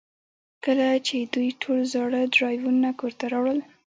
کله چې دوی ټول زاړه ډرایوونه کور ته راوړل